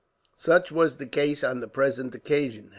Such was the case on the present occasion.